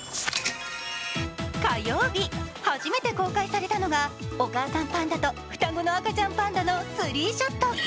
火曜日、初めて公開されたのはお母さんパンダと双子の赤ちゃんパンダのスリーショット。